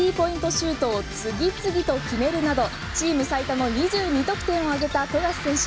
シュートを次々と決めるなどチーム最多の２２得点を挙げた富樫選手。